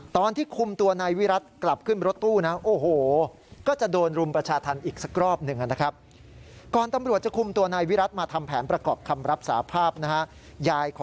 ตอนที่กลุ่มตัวนายวิรัติกลับขึ้นรถตู้นะโอ้โห